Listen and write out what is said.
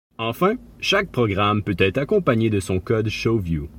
Enfin, chaque programme peut être accompagné de son code ShowView.